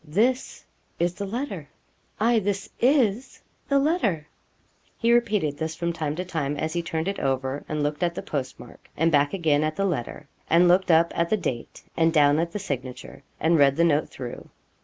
'This is the letter aye, this is the letter.' He repeated this from time to time as he turned it over and looked at the postmark, and back again at the letter, and looked up at the date, and down at the signature, and read the note through.